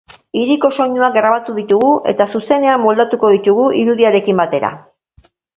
Hiriko soinuak grabatu ditugu eta zuzenean moldatuko ditugu irudiarekin batean.